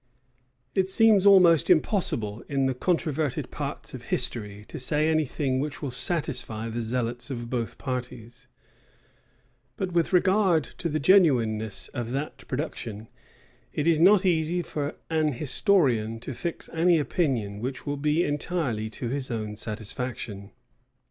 It seems almost impossible, in the controverted parts of history, to say any thing which will satisfy the zealots of both parties: but with regard to the genuineness of that production, it is not easy for an historian to fix any opinion which will be entirely to his own satisfaction.